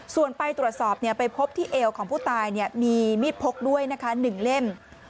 ส่วนไปตรวจสอบไปพบที่เอวของผู้ตายมีมีดพกด้วยนะคะ๑เล่ม